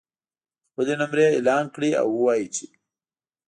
خپلې نمرې اعلان کړي او ووایي چې